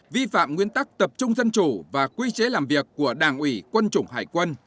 vi phạm nguyên tắc tập trung dân chủ và quy chế làm việc của đảng ủy quân chủng hải quân